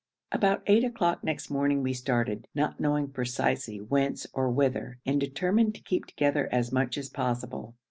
About 8 o'clock next morning we started, not knowing precisely whence or whither, and determined to keep together as much as possible.